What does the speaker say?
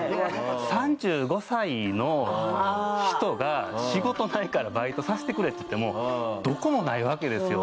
３５歳の人が仕事ないからバイトさせてくれって言ってもどこもないわけですよ。